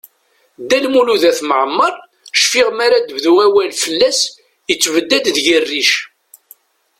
Dda Lmud At Mɛemmeṛ, cfiɣ mi ara d-bdu awal fell-as, yettebdad deg-i rric.